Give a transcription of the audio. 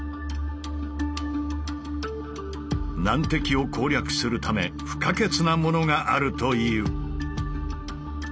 難敵を攻略するため不可欠なものがあるという。